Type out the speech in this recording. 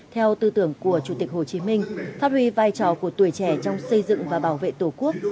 theo tư tưởng của chủ tịch hồ chí minh phát huy vai trò của tuổi trẻ trong xây dựng và bảo vệ tổ quốc